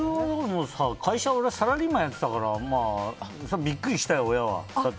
俺はサラリーマンやってたからビックリしたよ、親は。